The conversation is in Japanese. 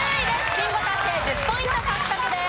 ビンゴ達成１０ポイント獲得です。